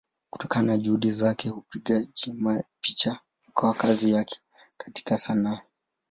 Kutokana na Juhudi zake upigaji picha ukawa kazi yake katika Sanaa.